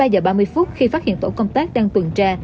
hai mươi ba giờ ba mươi phút khi phát hiện tổ công tác đang tuần tra